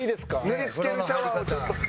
塗りつけるシャワーをちょっと。